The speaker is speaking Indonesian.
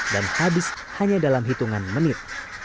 dan habis hanya dalam hitungan menit